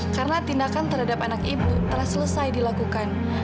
karena tindakan terhadap anak ibu telah selesai dilakukan